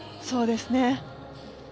そうですね。